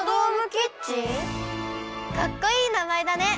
かっこいいなまえだね！